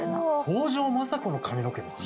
北条政子の髪の毛です。